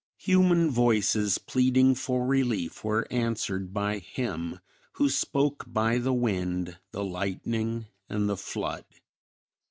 Human voices pleading for relief were answered by Him who spoke by the wind, the lightning and the flood.